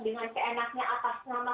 dengan keenaknya atas nama